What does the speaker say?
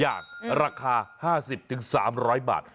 อย่างราคา๕๐๓๐๐บาท